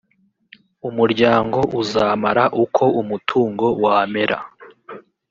umuryango uzamara uko umutungo wamera